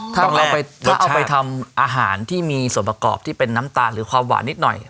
ถ้าเราเอาไปทำอาหารที่มีส่วนประกอบที่เป็นน้ำตาลหรือความหวานนิดหน่อย